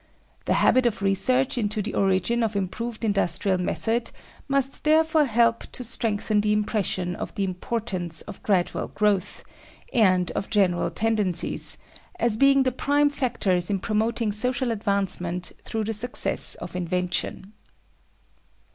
The habit of research into the origin of improved industrial method must therefore help to strengthen the impression of the importance of gradual growth, and of general tendencies, as being the prime factors in promoting social advancement through the success of invention.